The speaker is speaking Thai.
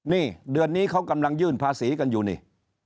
นี่เดือนนี้เขากำลังยื่นภาษีกันอยู่นี่